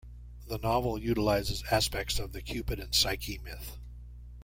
The novel utilizes aspects of the Cupid and Psyche myth.